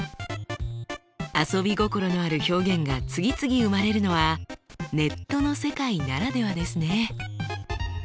遊び心のある表現が次々生まれるのはネットの世界ならではですね。